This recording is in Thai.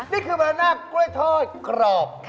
นี่คือใบหน้ากล้วยทอดกรอบ